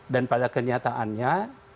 dan pada kenyataannya